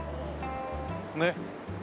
ねっ。